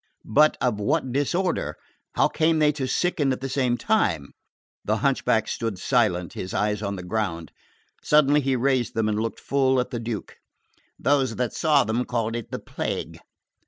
"But of what disorder? How came they to sicken at the same time?" The hunchback stood silent, his eyes on the ground. Suddenly he raised them and looked full at the Duke. "Those that saw them called it the plague."